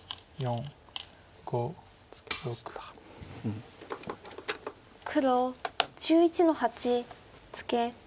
黒１１の八ツケ。